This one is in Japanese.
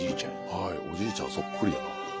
はいおじいちゃんそっくりやな。